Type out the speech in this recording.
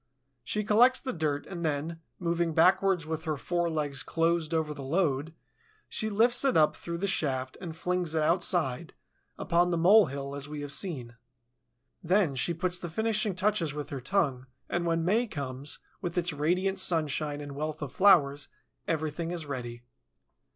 She collects the dirt and then, moving backwards with her fore legs closed over the load, she lifts it up through the shaft and flings it outside, upon the mole hill, as we have seen. Then she puts the finishing touches with her tongue, and when May comes, with its radiant sunshine and wealth of flowers, everything is ready.